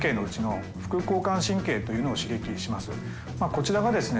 こちらがですね